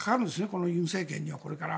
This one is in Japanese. この尹政権にはこれから。